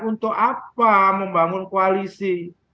untuk apa membangun koalisi